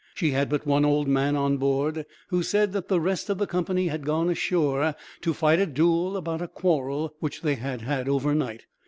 She had but one old man on board, who said that the rest of the company had gone ashore, to fight a duel about a quarrel which they had had overnight.